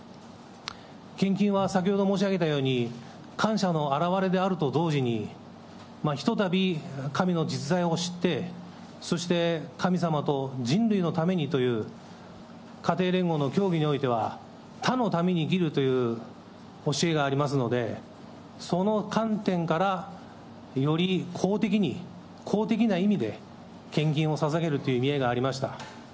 献金は、先ほど申し上げたように、感謝の表れであると同時に、ひとたび神の実在を知って、そして神様と人類のためにという、家庭連合の教義においては、他のために生きるという教えがありますので、その観点から、より公的に、公的な意味で献金をささげるという意味合いがありました。